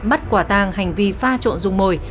bắt quả tang hành vi pha trộn rung mồi